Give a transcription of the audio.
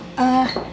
gak ada apabah